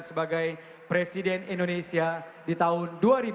sebagai presiden indonesia di tahun dua ribu dua puluh